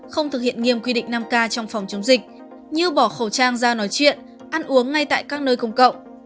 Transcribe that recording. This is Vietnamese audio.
không thực hiện nghiêm quy định năm k trong phòng chống dịch như bỏ khẩu trang ra nói chuyện ăn uống ngay tại các nơi công cộng